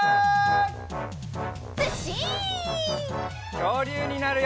きょうりゅうになるよ！